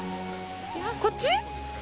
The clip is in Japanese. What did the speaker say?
こっち？